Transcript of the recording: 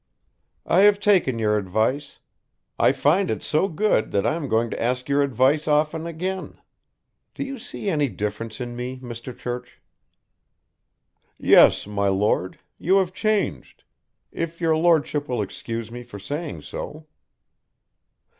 "I have taken your advice. I find it so good that I am going to ask your advice often again Do you see any difference in me, Mr. Church?" "Yes, my Lord, you have changed. If your Lordship will excuse me for saying so."